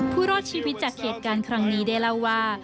รอดชีวิตจากเหตุการณ์ครั้งนี้ได้เล่าว่า